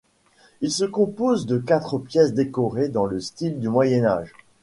Il se compose de quatre pièces décorées dans le style du moyen âge.